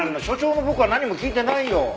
所長の僕は何も聞いてないよ。